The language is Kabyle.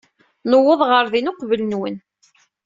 Nuweḍ ɣer din uqbel-nwen.